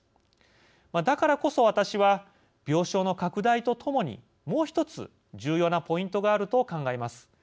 だからこそ私は病床の拡大とともにもう一つ重要なポイントがあると考えます。